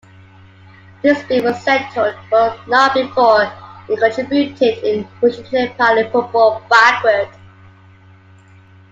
The dispute was settled, but not before it contributed in pushing Nepali football backward.